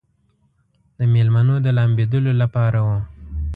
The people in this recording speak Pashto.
د مېلمنو د لامبېدلو لپاره و.